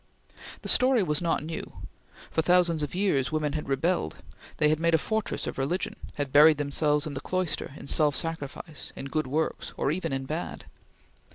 The story was not new. For thousands of years women had rebelled. They had made a fortress of religion had buried themselves in the cloister, in self sacrifice, in good works or even in bad.